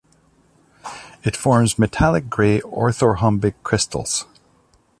It forms metallic grey orthorhombic crystals.